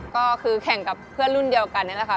ก็คือแข่งกับเพื่อนรุ่นเดียวกันนี่แหละค่ะ